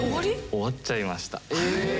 終わっちゃいました。